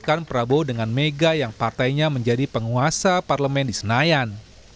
bukan prabowo dengan mega yang partainya menjadi penguasa parlemen di senayan